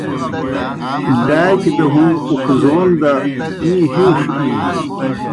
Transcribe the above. ڈاکیْ دہ ہُون اُکھزَون دہ می ہِیݜ اِینیْ۔